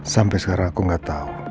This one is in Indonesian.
sampai sekarang aku gak tau